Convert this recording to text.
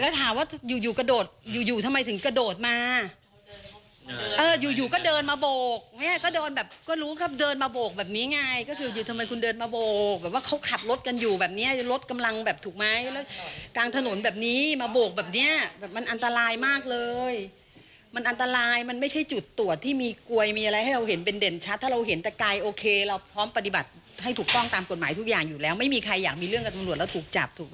ก็อยากจะถามว่าอยู่กระโดดอยู่ทำไมถึงกระโดดมาอยู่ก็เดินมาโบกแม่ก็เดินแบบก็รู้ครับเดินมาโบกแบบนี้ไงก็คือทำไมคุณเดินมาโบกแบบว่าเขาขัดรถกันอยู่แบบนี้รถกำลังแบบถูกไหมกลางถนนแบบนี้มาโบกแบบนี้มันอันตรายมากเลยมันอันตรายมันไม่ใช่จุดตรวจที่มีกล้วยมีอะไรให้เราเห็นเป็นเด่นชัดถ้าเราเห็นแต่ก